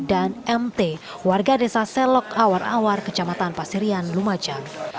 dan mt warga desa selok awar awar kecamatan pasirian lumajang